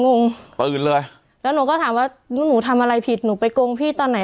งงปืนเลยแล้วหนูก็ถามว่าหนูทำอะไรผิดหนูไปโกงพี่ตอนไหน